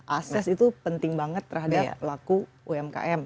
akses itu penting banget terhadap pelaku umkm